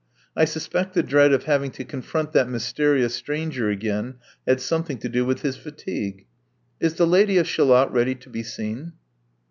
I suspect the dread of having to confront that mysterious stranger again had something to do with his fatigue. Is the Lady of Shalott ready to be seen?"